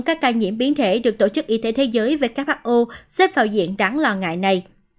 các ca nhiễm biến thể được tổ chức y tế thế giới who xếp vào diện đáng lo ngại này